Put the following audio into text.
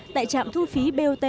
tại trạm thu phí bot bến thủy